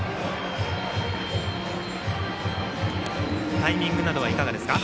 タイミングなどはいかがですか。